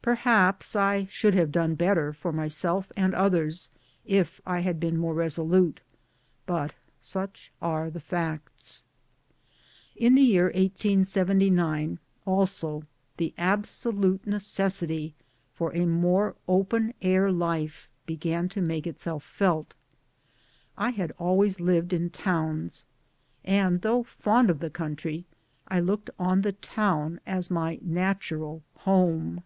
Perhaps I should have done better, for myself and others, if I had been more resolute, but such are the facts. In the year 1879 a l so tne absolute necessity for a more open air life began to make itself felt. I had always lived in towns, and though fond of the country I looked on the town as my natural home.